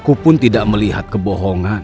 aku pun tidak melihat kebohongan